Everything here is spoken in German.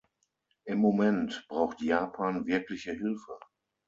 Im Moment braucht Japan wirkliche Hilfe.